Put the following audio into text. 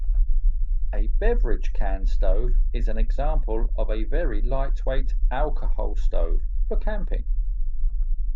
A beverage-can stove is an example of a very lightweight alcohol stove for camping.